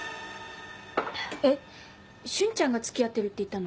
えっ瞬ちゃんが「付き合ってる」って言ったの？